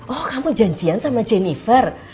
oh kamu janjian sama jennifer